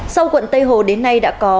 sau quận tây hồ đến nay đã có